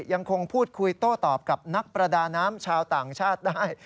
ยังคงพูดคุยโต้ตอบกับนักประดาน้ำชาวต่างชาติได้